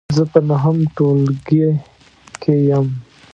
زه په نهم ټولګې کې یم .